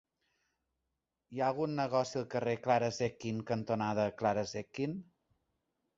Hi ha algun negoci al carrer Clara Zetkin cantonada Clara Zetkin?